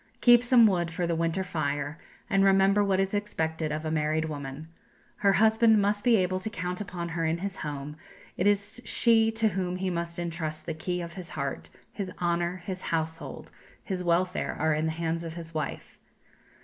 Keep some wood for the winter fire, and remember what is expected of a married woman. Her husband must be able to count upon her in his home; it is she to whom he must entrust the key of his heart; his honour, his household, his welfare are in the hands of his wife.